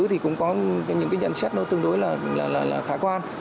thì cũng có những nhận xét nó tương đối là